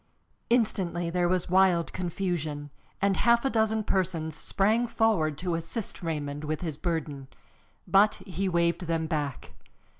Instantly there was wild confusion, and half a dozen persons sprang forward to assist Raymond with his burden. But he waved them back.